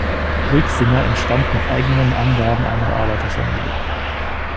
Riexinger entstammt nach eigenen Angaben einer Arbeiterfamilie.